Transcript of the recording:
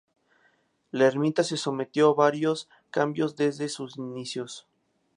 La ermita se sometió a varios cambios desde sus inicios.